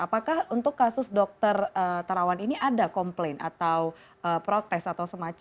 apakah untuk kasus dokter tarawan ini ada komplain atau protes atau sebagainya